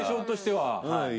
はい。